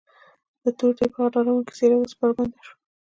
د تور دیب هغه ډارونکې څېره اوس بربنډه شوه.